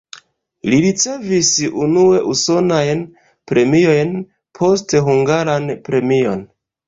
Li ricevis unue usonajn premiojn, poste hungaran premion.